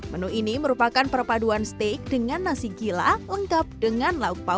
menu ini merupakan perpaduan steak dengan nasi gila lengkap dengan lauk pauk